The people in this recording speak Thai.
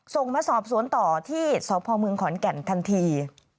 ส่งมาสอบสวนต่อที่สพเมืองขอนแก่นทันที